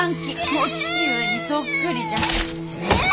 お父上にそっくりじゃ。